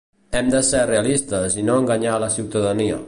Hem de ser realistes i no enganyar la ciutadania.